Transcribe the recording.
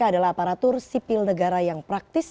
adalah aparatur sipil negara yang praktis